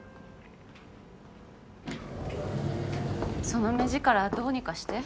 その目力どうにかして。